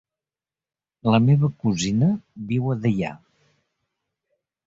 La meva cosina viu a Deià.